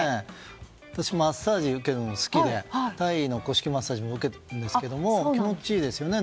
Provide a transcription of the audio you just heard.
私、マッサージを受けるのが好きでタイの古式マッサージも受けるんですけれども気持ちいいですよね。